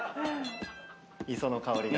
磯の香りが。